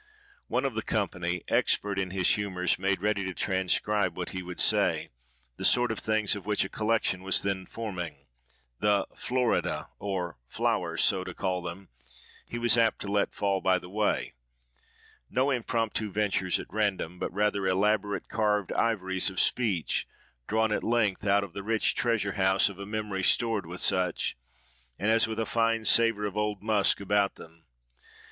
One of the company, expert in his humours, made ready to transcribe what he would say, the sort of things of which a collection was then forming, the "Florida" or Flowers, so to call them, he was apt to let fall by the way—no impromptu ventures at random; but rather elaborate, carved ivories of speech, drawn, at length, out of the rich treasure house of a memory stored with such, and as with a fine savour of old musk about them.